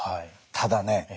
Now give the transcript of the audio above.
ただね